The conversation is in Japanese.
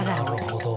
なるほど。